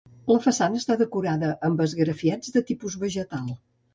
La façana està decorada amb esgrafiats de tipus vegetal.